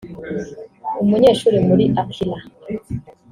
Umunyeshuri muri Akillah